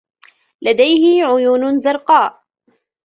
لديه عيون زرقاء.